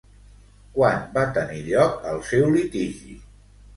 Quan va tenir lloc el seu litigi?